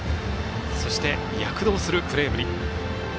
そして躍動するプレーぶり。